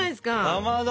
かまど！